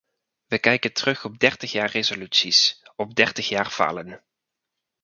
We kijken terug op dertig jaar resoluties, op dertig jaar falen.